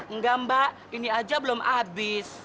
enggak mbak ini aja belum habis